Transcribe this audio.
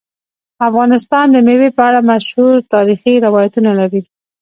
افغانستان د مېوې په اړه مشهور تاریخی روایتونه لري.